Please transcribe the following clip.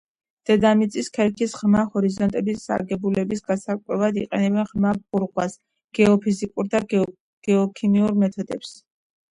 დედამიწის ქერქის ღრმა ჰორიზონტების აგებულების გასარკვევად იყენებენ ღრმა ბურღვას, გეოფიზიკურ და გეოქიმიურ მეთოდებს.